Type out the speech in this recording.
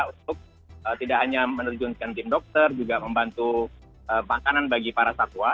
untuk tidak hanya menerjunkan tim dokter juga membantu makanan bagi para satwa